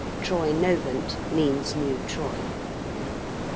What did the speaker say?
~Troynovant~ means New Troy.